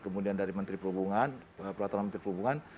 kemudian dari menteri perhubungan peraturan menteri perhubungan